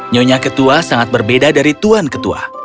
nyonya ketua sangat berbeda dari tuan ketua